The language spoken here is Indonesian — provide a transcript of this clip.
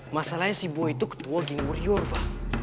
masalahnya si boy itu ketua ginggur yorba